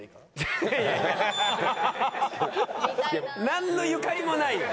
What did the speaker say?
なんのゆかりもないよ。